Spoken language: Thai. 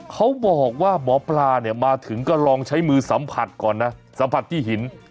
เขาบอกว่าหมอปลาเนี่ยมาถึงก็ลองใช้มือสัมผัสก่อนนะสัมผัสที่หิน